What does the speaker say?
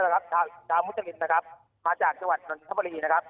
นะครับทาทามุจจริงนะครับมาจากจังหวัดนทบรีนะครับ